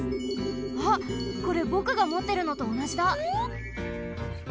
あっこれぼくがもってるのとおなじだ。